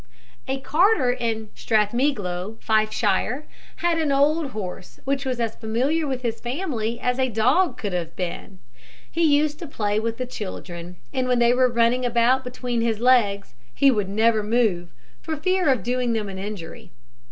A carter in Strathmiglo, Fifeshire, had an old horse, which was as familiar with his family as a dog could have been. He used to play with the children, and when they were running about between his legs he would never move, for fear of doing them an injury.